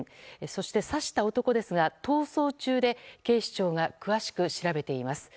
そして、刺した男ですが逃走中で警視庁が詳しく調べています。